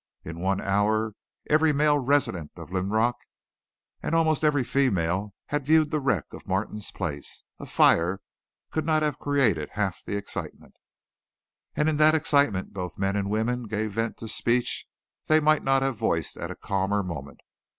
In one hour every male resident of Linrock and almost every female had viewed the wreck of Martin's place. A fire could not have created half the excitement. And in that excitement both men and women gave vent to speech they might not have voiced at a calmer moment.